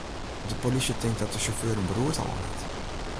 De polysje tinkt dat de sjauffeur in beroerte hân hat.